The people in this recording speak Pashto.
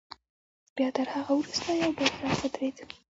بیا تر هغه وروسته یو بل صف ودرېد.